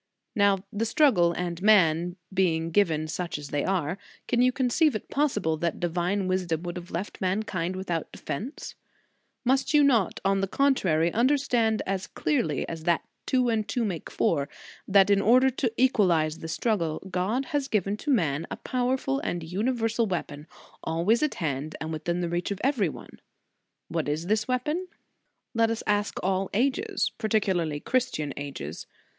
Now the struggle and man being given such as they are, can you conceive it pos sible that Divine Wisdom would have left mankind without defence ? Must you not, on the contrary, understand as clearly as that two and two make four, that in order to equalize the struggle, God has given to man a powerful, a universal weapon, always at hand and within the reach of every one. What is this weapon ? Let us ask all ages, particularly Christian ao es.